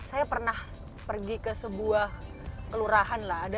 saya pernah pergi ke sebuah kelurahan lah